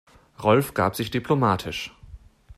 Rolf gab sich diplomatisch.